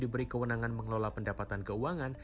diberi kewenangan mengelola pendapatan keuangan